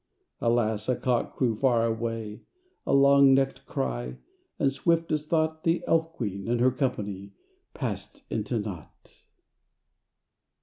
Alas! a cock crew far away, A long necked cry; and, swift as thought, The Elf Queen and her company Passed into naught.